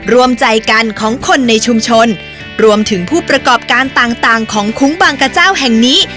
รวมใจกันของคนในชุมชนรวมถึงผู้ประกอบการต่างต่างของคุ้งบางกระเจ้าแห่งนี้